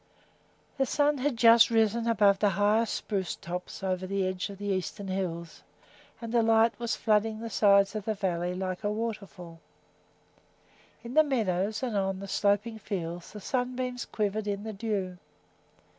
The sun had just risen above the highest spruce tops over the edge of the eastern hills, and the light was flooding the sides of the valley like a waterfall. In the meadows and on the sloping fields the sunbeams quivered in the dew.